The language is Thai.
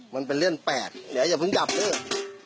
มันเป็นเรื่องแปดเดี๋ยวจะเพิ่งจับด้วย